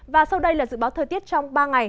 và sau đây là dự báo thời tiết trong ba ngày